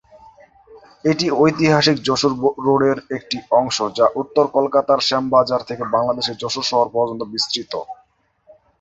এটি ঐতিহাসিক যশোর রোডের একটি অংশ যা উত্তর কলকাতার শ্যামবাজার থেকে বাংলাদেশের যশোর শহর পর্যন্ত বিস্তৃত।